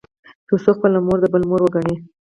تـر څـو خـپله مـور د بل مور وګـني.